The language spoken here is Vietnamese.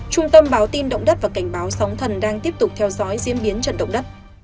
trung tâm báo tin động đất và cảnh báo sóng thần đang tiếp tục theo dõi diễn biến trận động đất